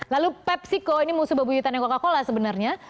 lalu pepsico ini musuh babu hitamnya coca cola sebenarnya